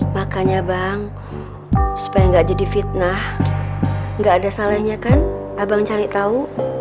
makanya bang supaya nggak jadi fitnah nggak ada salahnya kan abang cari tahu